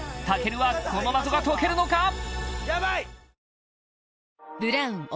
健はこの謎が解けるのか！？